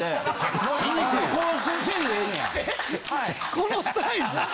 このサイズ？